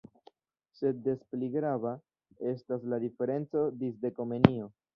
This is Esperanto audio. Sed des pli grava estas la diferenco disde Komenio.